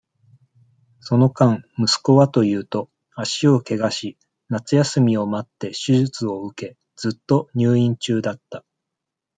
その間、息子はというと、足を怪我し、夏休みを待って、手術を受け、ずっと入院中だった。